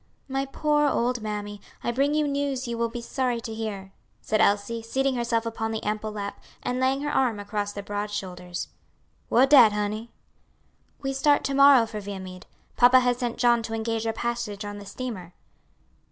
"My poor old mammy, I bring you news you will be sorry to hear," said Elsie, seating herself upon the ample lap, and laying her arm across the broad shoulders. "What dat, honey?" "We start to morrow for Viamede; papa has sent John to engage our passage on the steamer."